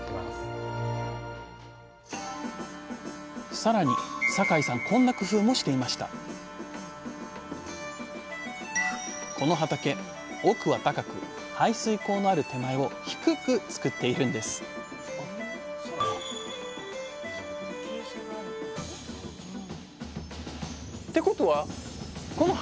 さらに酒井さんこんな工夫もしていましたこの畑奥は高く排水溝のある手前を低く作っているんですもう一つうまいッ！のヒミツがこちら。